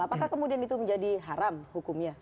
apakah kemudian itu menjadi haram hukumnya